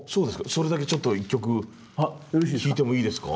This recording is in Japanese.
それだけちょっと１曲聴いてもいいですか。